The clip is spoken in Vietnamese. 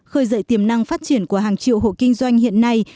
khơi dậy tiềm năng phát triển của hàng triệu hộ kinh doanh hiện nay